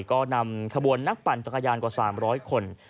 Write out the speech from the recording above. ก็นำขบวนนักปั่นจักรยานกว่า๓๐๐คน